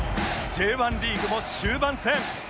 Ｊ１ リーグも終盤戦！